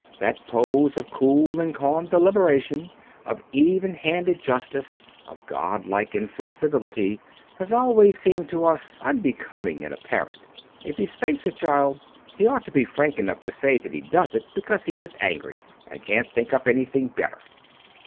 That pose of cool and calm deliberation, of even handed justice, of godlike inflexibility, has always seemed to us unbecoming in a parent. If he spanks a child he ought to be frank enough to say that he does it because he is angry and can't think up anything better.